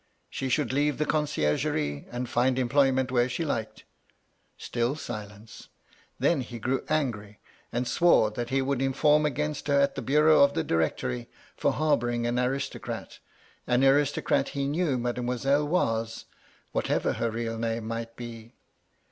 She should leave the conciergerie, and find employment where she liked. Still silence. Then he grew angry, and swore that he would inform 168 MY LADY LUDLOW. against her at the bureau of the Directory, for harbour ing an aristocrat ; an aristocrat he knew Mademoiselle was, whatever her real name might be.